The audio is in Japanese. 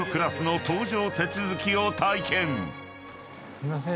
すいません。